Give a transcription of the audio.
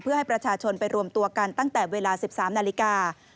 เพื่อให้ประชาชนไปรวมตัวกันตั้งแต่เวลา๑๓นาฬิกา